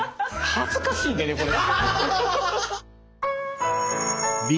恥ずかしいんでねこれ。